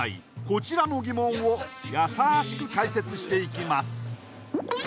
こちらの疑問をやさしく解説していきます